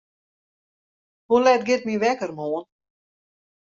Hoe let giet myn wekker moarn?